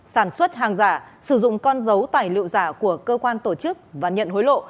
sản xuất hàng giả sử dụng con dấu tài liệu giả của cơ quan tổ chức và nhận hối lộ